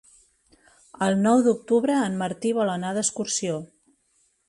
El nou d'octubre en Martí vol anar d'excursió.